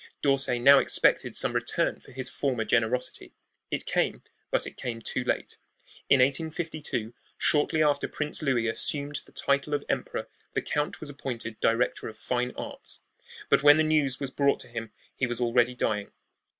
D'Orsay now expected some return for his former generosity. It came, but it came too late. In 1852, shortly after Prince Louis assumed the title of emperor, the count was appointed director of fine arts; but when the news was brought to him he was already dying.